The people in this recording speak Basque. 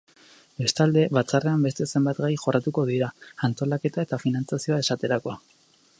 Bestalde, batzarrean beste zenbait gai jorratu dira, antolaketa eta finantzazioa esaterako.